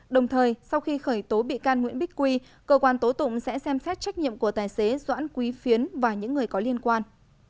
đồng thời sau khi khởi tố bị can nguyễn bích quy cơ quan tố tụng sẽ xem xét trách nhiệm của tài xế doãn quý phiến và những người có liên quan